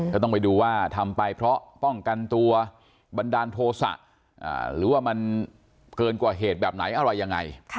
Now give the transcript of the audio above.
ก็ต้องไปดูว่าทำไปเพราะป้องกันตัวบันดาลโทษะหรือว่ามันเกินกว่าเหตุแบบไหนอะไรยังไง